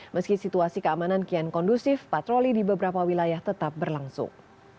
meski situasi keamanan kian kondusif patroli di beberapa wilayah tetap berlangsung